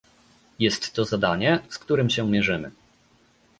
Jest to zadanie, z którym się mierzymy